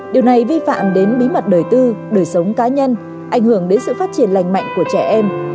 điều này vi phạm đến bí mật đời tư đời sống cá nhân ảnh hưởng đến sự phát triển lành mạnh của trẻ em